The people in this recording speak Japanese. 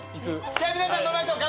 じゃ皆さん飲みましょう。